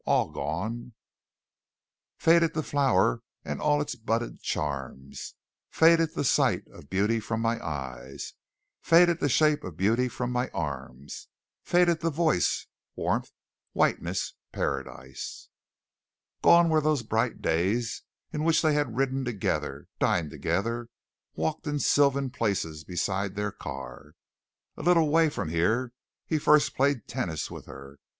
All gone "Faded the flower and all its budded charms, Faded the sight of beauty from my eyes, Faded the shape of beauty from my arms, Faded the voice, warmth, whiteness, paradise." Gone were those bright days in which they had ridden together, dined together, walked in sylvan places beside their car. A little way from here he first played tennis with her.